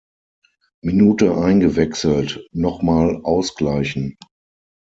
Minute eingewechselt, nochmal ausgleichen.